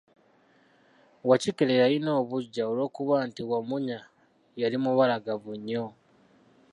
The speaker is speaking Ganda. Wakikere yalina obuggya olw'okuba nti wamunya yali mubalagavu nnyo.